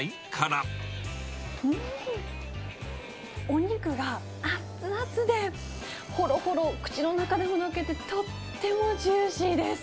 お肉が熱々で、ほろほろ口の中でとけて、とってもジューシーです。